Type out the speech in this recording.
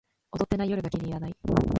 踊ってない夜が気に入らない